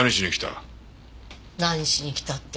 何しに来た？